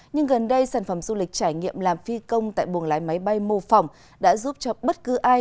nhưng gần đây sản phẩm du lịch trải nghiệm làm phi công tại buồng lái máy bay mô phỏng đã giúp cho bất cứ ai